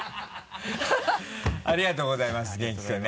ありがとうございます元気君ね。